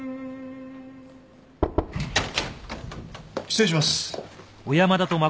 失礼します。